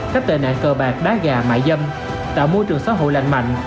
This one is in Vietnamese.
các tệ nạn cờ bạc đá gà mại dâm tạo môi trường xã hội lành mạnh